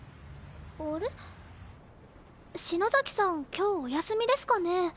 今日お休みですかね？